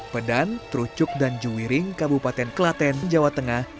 pedan terucuk dan juwiring kabupaten kelaten jawa tengah